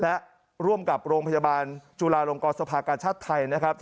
และร่วมกับโรงพยาบาลจุฬาลงกรสภากาชาติไทยนะครับ